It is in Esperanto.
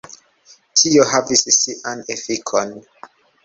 Tio havis sian efikon.